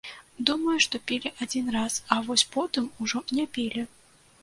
Думаю, што пілі адзін раз, а вось потым ужо не пілі.